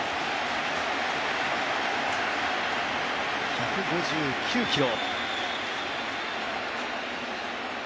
１５９キロ。